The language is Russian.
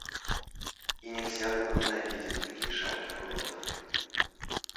И нельзя было не ненавидеть таких жалких уродов.